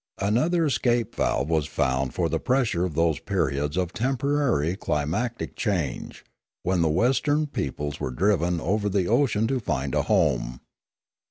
Another escape valve was found for the pressure of those periods of temporary climatic change, when the western peoples were driven over the oceans to find a home.